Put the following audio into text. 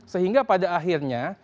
sehingga pada akhirnya